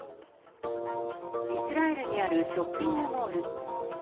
イスラエルにあるショッピングモール。